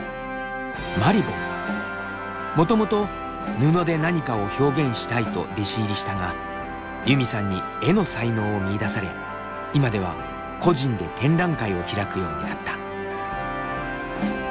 もともと布で何かを表現したいと弟子入りしたがユミさんに絵の才能を見いだされ今では個人で展覧会を開くようになった。